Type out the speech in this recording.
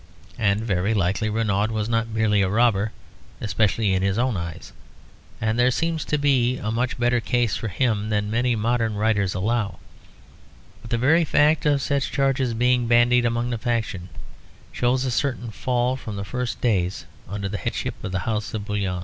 And very likely Renaud was not merely a robber, especially in his own eyes; and there seems to be a much better case for him than many modern writers allow. But the very fact of such charges being bandied among the factions shows a certain fall from the first days under the headship of the house of Bouillon.